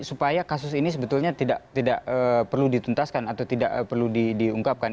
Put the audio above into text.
supaya kasus ini sebetulnya tidak perlu dituntaskan atau tidak perlu diungkapkan